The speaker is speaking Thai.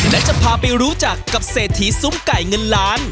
และจะพาไปรู้จักกับเศรษฐีซุ้มไก่เงินล้าน